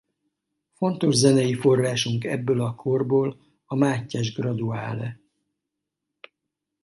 Fontos zenei forrásunk ebből a korból a Mátyás-Graduále.